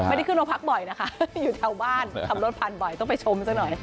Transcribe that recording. ไม่ได้ขึ้นมาพักบ่อยนะคะอยู่แถวบ้านขับรถผ่านบ่อยต้องไปชมสักหน่อย